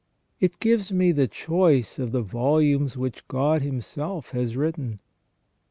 It gives me the choice of the volumes which God Him self has written."